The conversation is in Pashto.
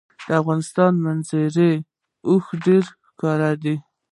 د افغانستان په منظره کې اوښ ډېر ښکاره دی.